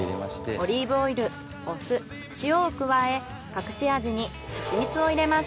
オリーブオイルお酢塩を加え隠し味にハチミツを入れます。